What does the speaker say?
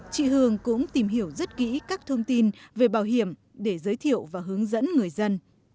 chị hường cũng tìm hiểu rất kỹ các thông tin về bảo hiểm để giới thiệu và hướng dẫn người dân